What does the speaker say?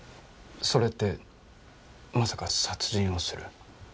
それってまさか殺人をする。